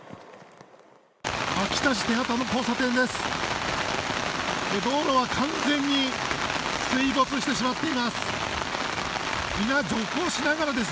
秋田市の交差点です。